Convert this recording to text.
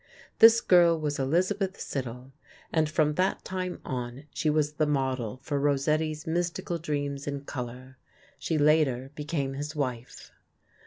This girl was Elizabeth Siddal, and from that time on she was the model for Rossetti's mystical dreams in color. She later became his wife.